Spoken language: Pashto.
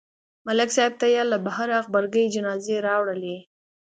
ملک صاحب ته یې له بهره غبرګې جنازې راوړلې